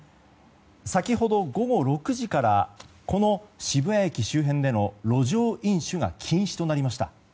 先ほど午後６時からこの渋谷駅周辺での路上飲酒が禁止となりました。